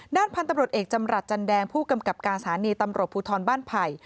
ด้านพันธุ์ตำรวจเอกจำรัฐจันแดงผู้กำกับการสถานีตำรวจภูทรบ้านไผ่